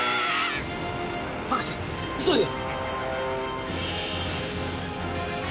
博士急いで！